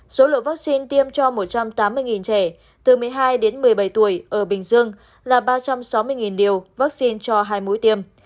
số lượng vaccine tiêm cho một trăm tám mươi trẻ từ một mươi hai đến một mươi bảy tuổi ở bình dương là ba trăm sáu mươi liều vaccine cho hai mũi tiêm